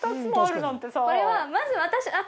これはまず。